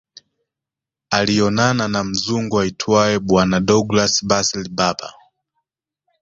Alionana na mzungu aitwae bwana Douglas Basil Berber